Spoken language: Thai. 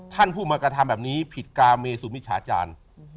ท่านพูดมากระทำแบบนี้ผิดกาเมตต์สู้มิตรฉาจาน